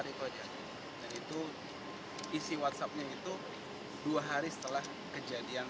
dan itu isi whatsappnya itu dua hari setelah kejadian tanggal tiga puluh